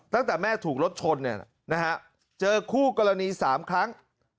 ตั้งแต่แม่ถูกรถชนเนี่ยนะฮะเจอคู่กรณีสามครั้ง